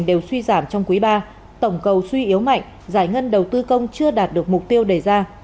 đều suy giảm trong quý ba tổng cầu suy yếu mạnh giải ngân đầu tư công chưa đạt được mục tiêu đề ra